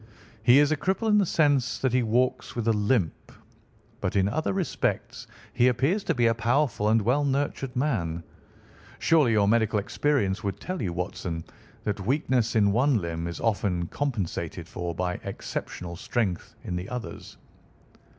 "He is a cripple in the sense that he walks with a limp; but in other respects he appears to be a powerful and well nurtured man. Surely your medical experience would tell you, Watson, that weakness in one limb is often compensated for by exceptional strength in the others."